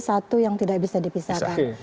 satu yang tidak bisa dipisahkan